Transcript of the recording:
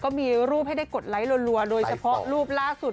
ก็มีรูปให้ได้กดไลค์รัวโดยเฉพาะรูปล่าสุด